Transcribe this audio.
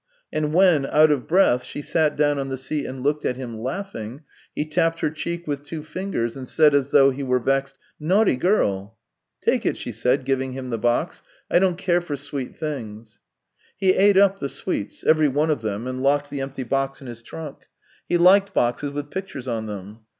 And when, out of breath, she sat down 265 J HE TALES OF TCHEHOV on the seat and looked at him, laughing, he tapped her cheek with two fingers, and said as though he were vexed: " Naughty girl !"" Take it," she said, giving him the box. " I don't care for sweet things." He ate up the sweets — every one of them, and locked the empty box in his trunk; he liked boxes with pictures on them.